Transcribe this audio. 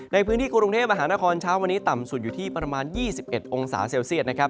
ในพื้นที่กรุงเทพมหานครเช้าวันนี้ต่ำสุดอยู่ที่ประมาณ๒๑องศาเซลเซียตนะครับ